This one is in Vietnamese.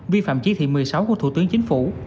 vi phạm chỉ thị một mươi sáu của thủ tướng chính phủ